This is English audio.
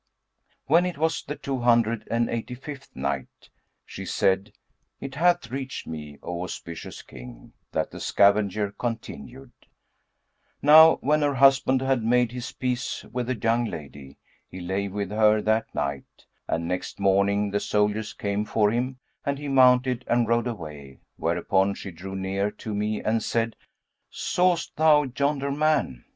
When it was the Two Hundred and Eighty fifth Night, She said, It hath reached me, O auspicious King, that the scavenger continued, "Now when her husband had made his peace with the young lady, he lay with her that night; and next morning, the soldiers came for him and he mounted and rode away; whereupon she drew near to me and said, 'Sawst thou yonder man?'